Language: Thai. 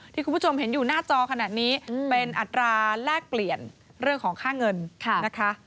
ที่คุณผู้ชมเห็นอยู่หน้าจอขนาดนี้เป็นอัตราแลกเปลี่ยนเรื่องของค่าเงินนะคะ